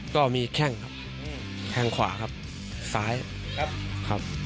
ก็มีแข้งครับแข้งขวาครับซ้ายครับ